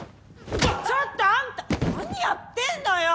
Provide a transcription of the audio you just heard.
ちょっとあんた何やってんのよ！